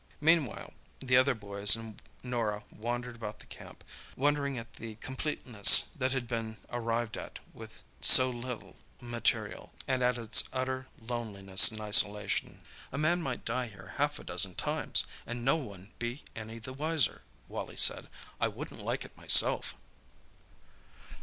Meanwhile the other boys and Norah wandered about the camp, wondering at the completeness that had been arrived at with so little material, and at its utter loneliness and isolation. "A man might die here half a dozen times, and no one be any the wiser," Wally said. "I wouldn't like it myself."